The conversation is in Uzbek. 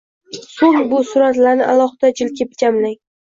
So‘ng bu suratlarni alohida jildga jamlang.